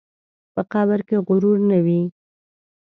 په قبر کې غرور نه وي.